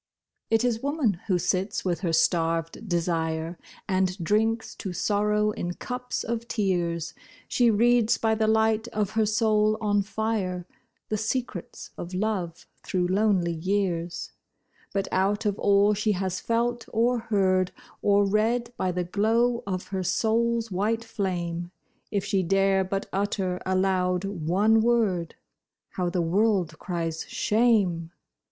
It is woman who sits with her starved desire, And drinks to sorrow in cups of tears; She reads by the light of her soul on fire The secrets of love through lonely years: But out of all she has felt or heard Or read by the glow of her soul's white flame, If she dare but utter aloud one word— How the world cries shame!